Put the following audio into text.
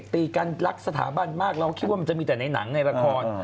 ตีกันรักสถาบันมากเราคิดว่ามันจะมีแต่ในหนังในละคร